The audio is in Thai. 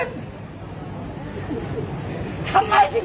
เป็นทางเก่ง